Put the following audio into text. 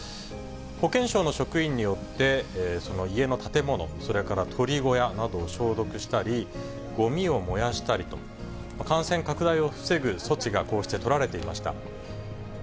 保健省の職員によって、その家の建物、それから鶏小屋などを消毒したり、ごみを燃やしたりと、感染拡大を防ぐ措置がこうして取られていました。